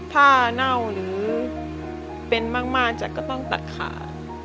ผ้าเท่าหรือเป็นบั้งมาจะต้องตัดขา